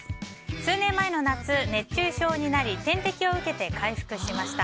数年前の夏、熱中症になり点滴を受けて回復しました。